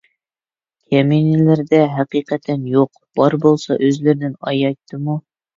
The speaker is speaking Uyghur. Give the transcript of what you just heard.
كەمىنىلىرىدە ھەقىقەتەن يوق، بار بولسا ئۆزلىرىدىن ئايايتىممۇ؟